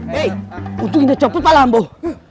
hei untung ini copot pak lamboh